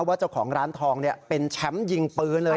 ว่าเจ้าของร้านทองเป็นแชมป์ยิงปืนเลย